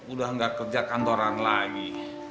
udah nggak kerja kantoran lagi